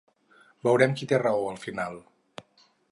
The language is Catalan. Veurem qui té raó al final.